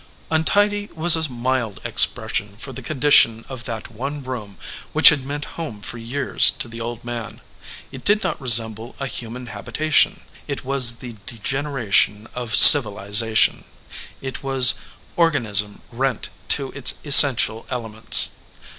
Untidy was a mild expression for the condition of that one room which had meant home for years to the old man. It did not resemble a human habi tation. It was the degeneration of civilization ; it was organism rent to its essential elements.